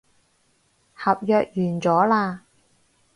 合約完咗喇